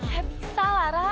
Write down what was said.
ya bisa lah ra